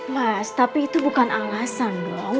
mas tapi itu bukan alasan dong